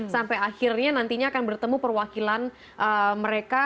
sampai akhirnya nantinya akan bertemu perwakilan mereka